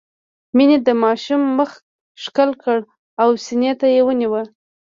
مينې د ماشوم مخ ښکل کړ او سينې ته يې ونيوه.